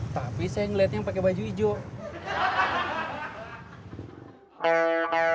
tapi saya ngeliatnya yang pake baju hijau